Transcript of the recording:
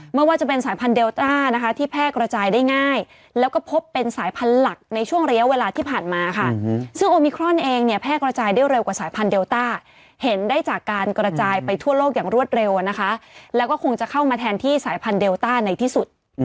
ไม่ว่าจะเป็นสายพันธุเดลต้านะคะที่แพร่กระจายได้ง่ายแล้วก็พบเป็นสายพันธุ์หลักในช่วงระยะเวลาที่ผ่านมาค่ะซึ่งโอมิครอนเองเนี่ยแพร่กระจายได้เร็วกว่าสายพันธุเดลต้าเห็นได้จากการกระจายไปทั่วโลกอย่างรวดเร็วนะคะแล้วก็คงจะเข้ามาแทนที่สายพันธุเดลต้าในที่สุด